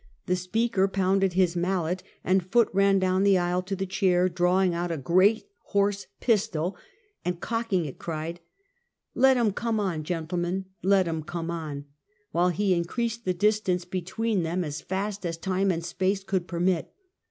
The speaker pounded with his mallet, and Foot ran down the aisle to the chair, drawing ont a great horse pistol and cocking it, cried :" Let him come on, gentlemen! let him come on!]" while he increased the distance between them as fast as time and fpace would permit.